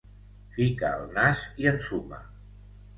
Fica el nas i ensuma.